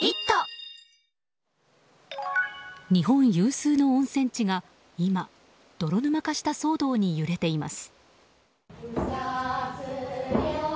日本有数の温泉地が今泥沼化した騒動に揺れています。